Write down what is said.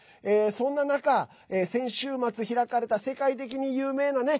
そんな中、先週末開かれた世界的に有名なね